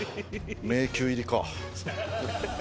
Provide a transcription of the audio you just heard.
迷宮入りか。